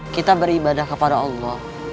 kita beribadah kepada allah